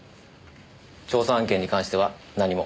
調査案件に関しては何も。